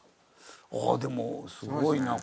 ああでもすごいな。